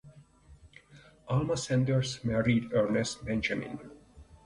Alma Sanders married Ernest Benjamin.